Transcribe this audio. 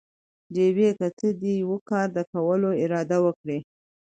ډېوې!! که ته دې يوه کار د کولو اراده وکړي؟